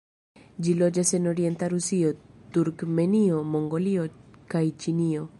Ĝi loĝas en orienta Rusio, Turkmenio, Mongolio kaj Ĉinio.